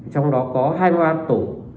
trong đó có hai ngoan tổ